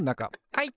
はい！